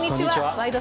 「ワイド！